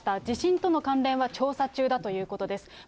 地震との関連は調査中だということです。